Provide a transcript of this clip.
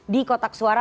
di kotak suara